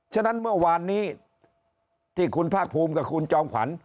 ฉะนั้นเมื่อวานนี้ที่คุณภาคภูมิกับคุณจอมขวัญ